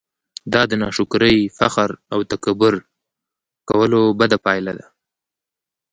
دا د ناشکرۍ، فخر او تکبير کولو بده پايله ده!